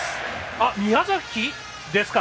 おっ、宮崎ですか。